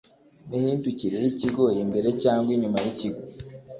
mihindukire y ikigo imbere cyangwa inyuma y ikigo